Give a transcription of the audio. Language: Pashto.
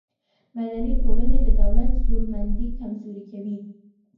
مدني ټولنې د دولت زورمندي کمزورې کوي.